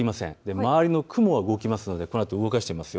周りの雲は動きますので動かしてみますよ。